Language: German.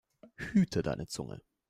Hüte deine Zunge!